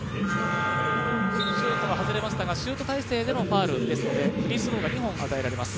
シュートが外れましたが、シュート体勢でのファウルですのでフリースローが２本与えられます。